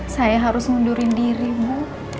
saya harus ngundurin dirimu